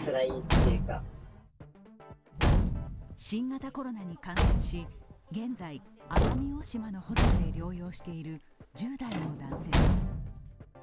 新型コロナに感染し現在、奄美大島のホテルで療養している１０代の男性です。